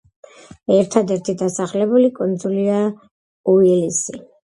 ერთადერთი დასახლებული კუნძულია უილისი.